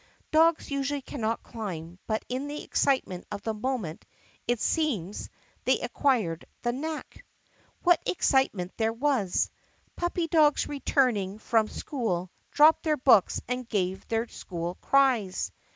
Dogs usually cannot climb but in the excitement of the moment, it seems, they acquired the knack. 116 THE PUSSYCAT PRINCESS 117 What excitement there was! Puppy dogs returning from school dropped their books and gave their school cries.